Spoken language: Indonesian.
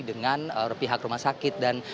dengan pihak rumah sakit dan